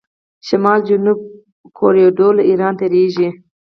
شمال جنوب کوریډور له ایران تیریږي.